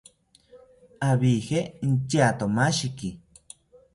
Abije intyatomashiki